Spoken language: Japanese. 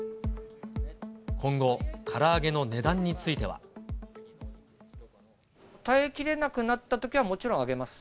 今後、から揚げの値段については。耐え切れなくなったときは、もちろん上げます。